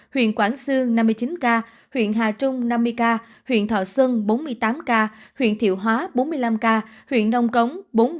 huyện quảng sương huyện hà trung huyện thọ xuân huyện thiệu hóa huyện đông cống